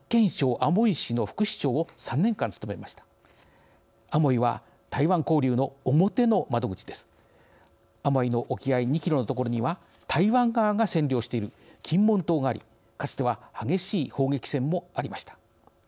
アモイの沖合２キロの所には台湾側が占領している金門島があり、かつては激しい砲撃戦もありました。